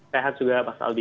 sehat juga mas aldi